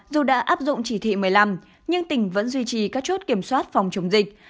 dù đã áp dụng chỉ thị một mươi năm nhưng tỉnh vẫn duy trì các chốt kiểm soát phòng chống dịch